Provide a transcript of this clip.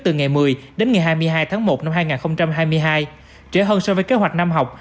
từ ngày một mươi đến ngày hai mươi hai tháng một năm hai nghìn hai mươi hai trẻ hơn so với kế hoạch năm học